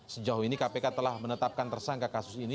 sejauh ini kpk telah menetapkan tersangka kasus ini